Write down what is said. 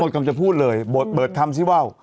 หมดคำจะพูดเลยเบิดคำซิว่าว